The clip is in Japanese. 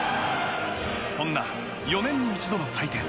そんな４年に一度の祭典